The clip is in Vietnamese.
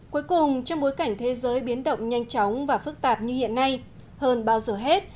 cuối cùng trong bối cảnh thế giới biến động nhanh chóng và phức tạp như hiện nay hơn bao giờ hết